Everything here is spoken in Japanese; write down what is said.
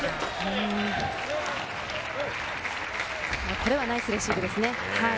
これはナイスレシーブです。